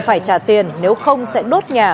phải trả tiền nếu không sẽ đốt nhà